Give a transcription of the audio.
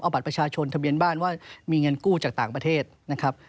บัตรประชาชนทะเบียนบ้านว่ามีเงินกู้จากต่างประเทศนะครับ